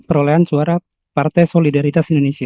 perolehan suara partai solidaritas indonesia